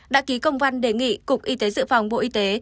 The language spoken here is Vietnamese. đã ký công văn đề nghị cục y tế dự phòng bộ y tế